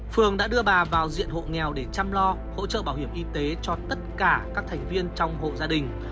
phường đã đưa bà vào diện hộ nghèo để chăm lo hỗ trợ bảo hiểm y tế cho tất cả các thành viên trong hộ gia đình